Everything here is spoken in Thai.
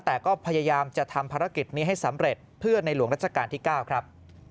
แต่ก็พยายามจะทำภารกิจนี้ให้สำเร็จเพื่อในหลวงรัชกาลที่๙ครับ